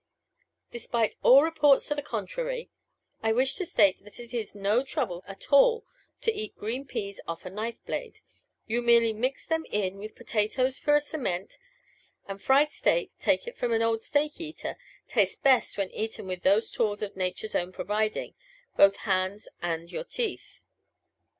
Despite all reports to the contrary, I wish to state that it is no trouble at all to eat green peas off a knife blade you merely mix them in with potatoes for a cement; and fried steak take it from an old steak eater tastes best when eaten with those tools of Nature's own providing, both hands and your teeth.